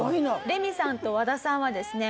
レミさんと和田さんはですね